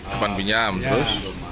simpan pinjam terus